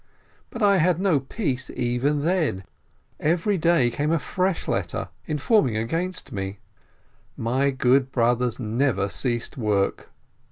But I had no peace even then; every day came a fresh letter informing against me. My good brothers never ceased work.